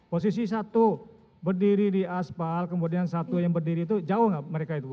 posisi satu berdiri di aspal kemudian satu yang berdiri itu jauh nggak mereka itu